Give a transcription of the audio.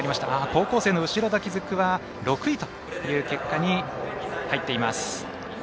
高校生の後田築は６位という結果に入っています。